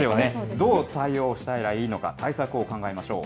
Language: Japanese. どう対応したらいいのか、対策を考えましょう。